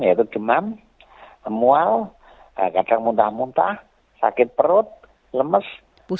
yaitu demam emual kadang muntah muntah sakit perut lemes lemah nafsu makan berkurang